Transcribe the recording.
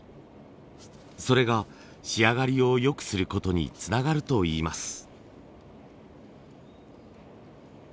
それが仕上がりを良くすることにつながるといいます。